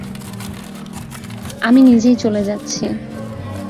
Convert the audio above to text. আমি নিজেই চলে যাচ্ছি।